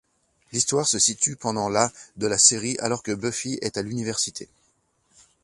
L'histoire se situe pendant la de la série alors que Buffy est à l'université.